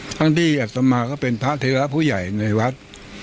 ทั้งที่อัตมาก็เป็นพระเทราผู้ใหญ่ในวัด